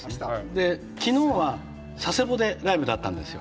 で昨日は佐世保でライブだったんですよ。